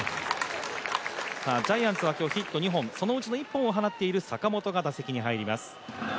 ジャイアンツは今日ヒット２本そのうちの１本を打っている坂本が打席に入っています。